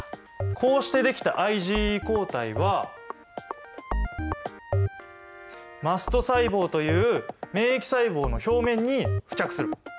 こうしてできたＩｇＥ抗体はマスト細胞という免疫細胞の表面に付着する。